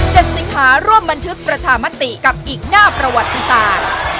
สิงหาร่วมบันทึกประชามติกับอีกหน้าประวัติศาสตร์